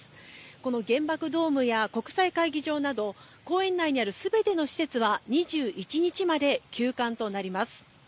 この原爆ドームや国際会議場など公園内にある全ての施設は２１日まで休館となります。